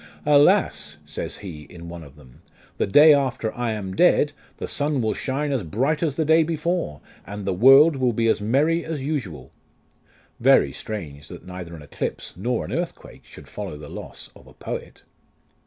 " Alas," says he, in one of them, " the day after I am dead, the sun will shine as bright as the day before, and the world will be as merry as usual !" Very strange, that neither an eclipse nor an earthquake should follow the loss of a poet